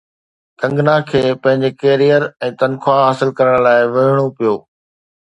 ڪنگنا کي پنهنجي ڪيريئر ۽ تنخواه حاصل ڪرڻ لاءِ وڙهڻو پيو